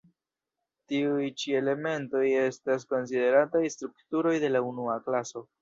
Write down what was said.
Tiuj ĉi elementoj estas konsiderataj strukturoj de la unua klaso.